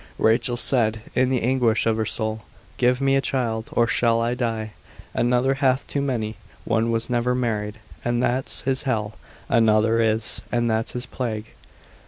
Rachel said in the anguish of her soul, give me a child, or I shall die: another hath too many: one was never married, and that's his hell, another is, and that's his plague.